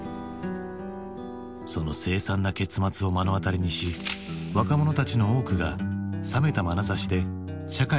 その凄惨な結末を目の当たりにし若者たちの多くが冷めたまなざしで社会との距離をとった７０年代。